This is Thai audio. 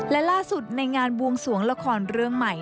และล่าสุดในงานบวงสวงละครเรื่องใหม่